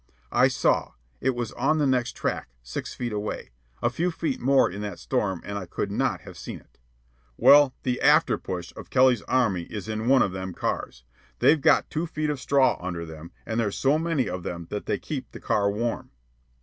I saw. It was on the next track, six feet away. A few feet more in that storm and I could not have seen it. "Well, the 'after push' of Kelly's Army is in one of them cars. They've got two feet of straw under them, and there's so many of them that they keep the car warm."